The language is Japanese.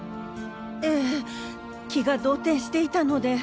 ええ気が動転していたので。